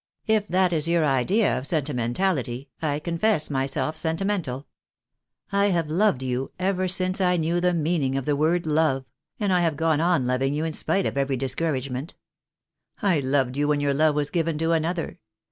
If that is your idea of senti mentality, I confess myself sentimental. I have loved you ever since I knew the meaning of the word love — and I have gone on loving you in spite of every dis couragement. I loved you when your love was given to another.